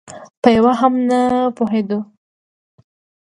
په یوه هم ونه پوهېدو.